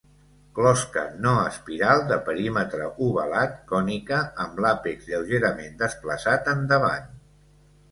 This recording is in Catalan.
Closca no espiral, de perímetre ovalat, cònica, amb l'àpex lleugerament desplaçat endavant.